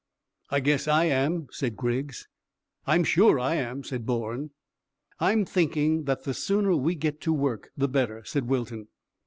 "I guess I am," said Griggs. "I'm sure I am," said Bourne. "I'm thinking that the sooner we get to work the better," said Wilton.